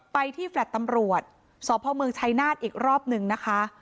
ไปที่แฟลต์ตำรวจสพเมืองชัยนาฏอีกรอบนึงนะคะ